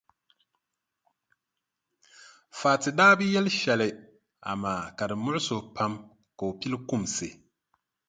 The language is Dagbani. Fati daa bi yɛli shɛli amaa ka di muɣisi o pam ka o pili kumsi.